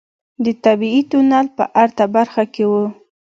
د طبيعي تونل په ارته برخه کې و.